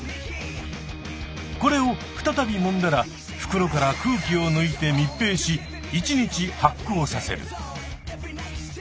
これを再びもんだら袋から空気をぬいてみっぺいし１日発酵させる。